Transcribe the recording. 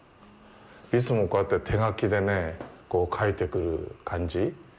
いつもこうやって手書きでね書いてくる感じ。